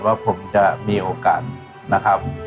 ว่าผมจะมีโอกาสนะครับ